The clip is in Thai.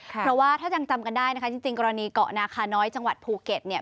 เพราะว่าถ้ายังจำกันได้นะคะจริงกรณีเกาะนาคาน้อยจังหวัดภูเก็ตเนี่ย